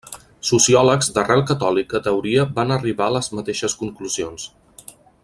Sociòlegs d'arrel catòlica teoria van arribar a les mateixes conclusions.